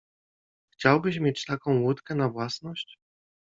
Chciałbyś mieć taką łódkę na własność?